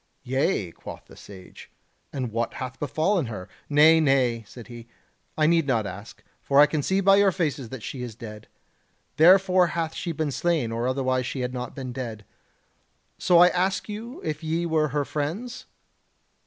"Yea," quoth the Sage, "and what hath befallen her? ... Nay, nay," said he, "I need not ask; for I can see by your faces that she is dead. Therefore hath she been slain, or otherwise she had not been dead. So I ask you if ye were her friends?"